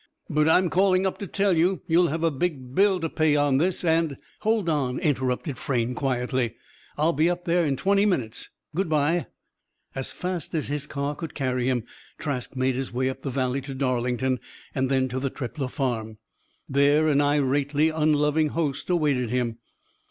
But I'm calling up to tell you you'll have a big bill to pay on this; and " "Hold on," interrupted Frayne, quietly. "I'll be up there, in twenty minutes. Good bye." As fast as his car could carry him, Trask made his way up the Valley to Darlington, and to the Trippler farm. There an irately unloving host awaited him.